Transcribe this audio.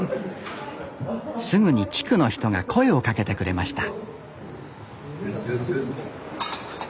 すぐに地区の人が声をかけてくれました